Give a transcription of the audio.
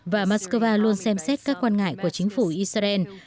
và moscow luôn xem xét các quan ngại của chính phủ israel